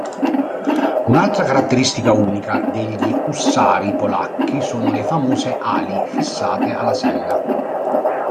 Un'altra caratteristica unica degli ussari polacchi sono le famose "ali", fissate alla sella.